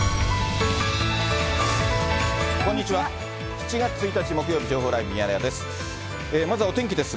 ７月１日木曜日、情報ライブミヤネ屋です。